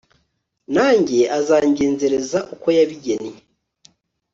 nanjye, azangenzereza uko yabigennye